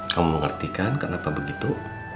kamu mau ngerti kan kenapa begitu